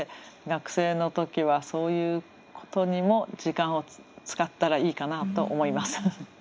学生の時はそういうことにも時間を使ったらいいかなと思います。